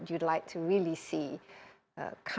saya pikir ada beberapa